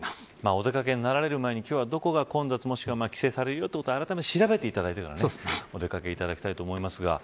お出掛けになられる前に今日は、どこが混雑しもしくは規制されるかあらかじめ調べてからお出掛けいただきたいと思います。